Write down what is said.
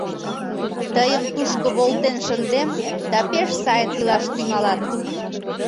Тыйым тушко волтен шындем да пеш сайын илаш тӱҥалат!